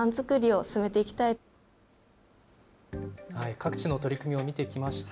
各地の取り組みを見てきました。